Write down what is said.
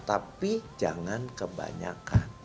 tapi jangan kebanyakan